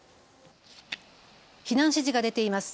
避難指示が出ています。